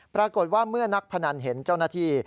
ปรากฏว่าเมื่อนักพนันเห็นเจ้าหน้าที่